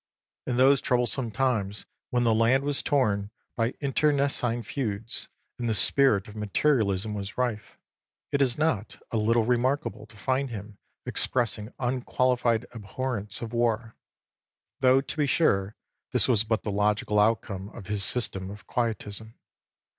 In those troublous times, when the land was torn by internecine feuds, and the spirit of militarism was rife, it is not a little remarkable to find him expressing unqualified abhorrence of war, though, to be sure, this was but the logical outcome of his system of quietism.